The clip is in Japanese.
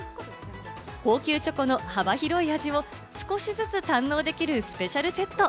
高級チョコの幅広い味を少しずつ堪能できるスペシャルセット。